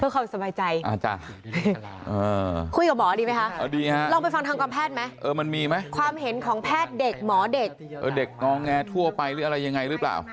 ความเห็นของแพทย์เด็กหมอเด็ก